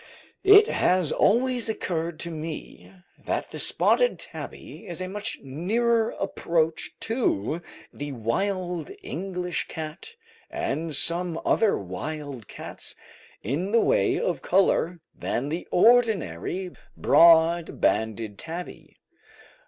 It has always occurred to me that the spotted tabby is a much nearer approach to the wild English cat and some other wild cats in the way of colour than the ordinary broad banded tabby.